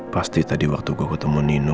pasti tadi waktu gue ketemu nino